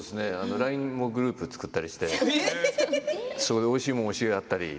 ＬＩＮＥのグループを作ったりしておいしいものを教えあったり。